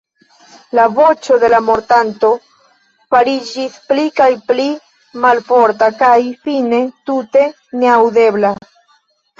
La voĉo de la mortanto fariĝis pli kaj pli malforta kaj fine tute neaŭdebla.